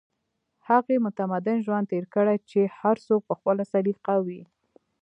هغې متمدن ژوند تېر کړی چې هر څوک په خپله سليقه وي